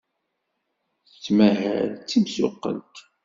Tettmahal d timsuqqelt.